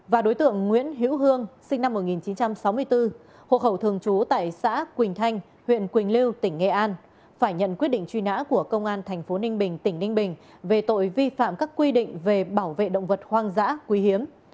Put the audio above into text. và đối tượng nguyễn hữu hương sinh năm một nghìn chín trăm sáu mươi bốn hộ khẩu thường trú tại xã quỳnh thanh huyện quỳnh lưu tỉnh nghệ an phải nhận quyết định truy nã của công an tp ninh bình tỉnh ninh bình về tội vi phạm các quy định về bảo vệ động vật hoang dã quý hiếm